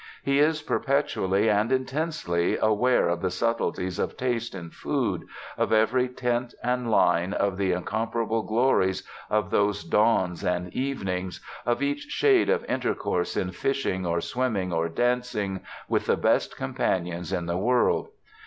He is perpetually and intensely aware of the subtleties of taste in food, of every tint and line of the incomparable glories of those dawns and evenings, of each shade of intercourse in fishing or swimming or dancing with the best companions in the world.